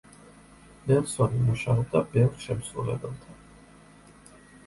ნელსონი მუშაობდა ბევრ შემსრულებელთან.